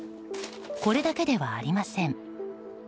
これだけではありません。